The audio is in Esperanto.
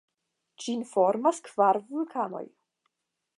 Ĝin formas kvar vulkanoj.